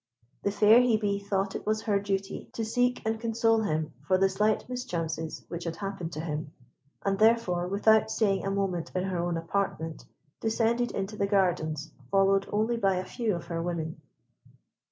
The fair Hebe thought it was her duty to seek and console him for the slight mischances which had happened to him, and therefore, without staying a moment in her own apartment, descended into the gardens, followed only by a few of her women.